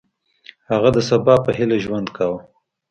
هغه د سبا په هیله ژوند کاوه.